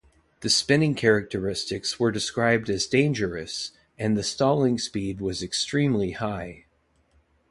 The spinning characteristics were described as "dangerous" and the stalling speed was extremely high.